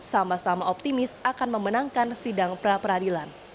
sama sama optimis akan memenangkan sidang pra peradilan